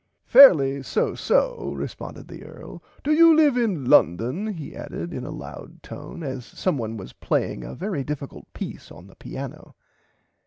Fairly so so responded the Earl do you lire in London he added in a loud tone as someone was playing a very difficult peice on the piano.